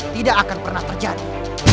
tidak akan pernah terjadi